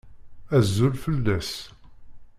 Azul fell-as.